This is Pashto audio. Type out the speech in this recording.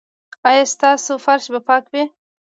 ایا ستاسو فرش به پاک وي؟